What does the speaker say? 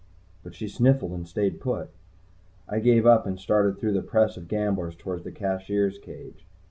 But she sniffled and stayed put. I gave up and started through the press of gamblers toward the Cashier's cage.